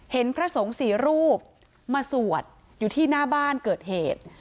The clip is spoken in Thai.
พระสงฆ์สี่รูปมาสวดอยู่ที่หน้าบ้านเกิดเหตุ